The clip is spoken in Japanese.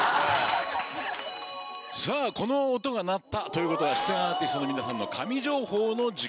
さぁこの音が鳴ったということは出演アーティストの皆さんの神情報の時間です。